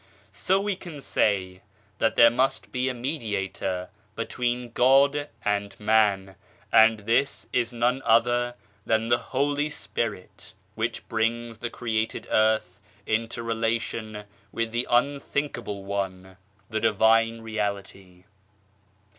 So we can say that there must be a Mediator between God and Man, and this is none other than the Holy Spirit, which brings the created earth into relation with the " Unthinkable One," the Divine Reality.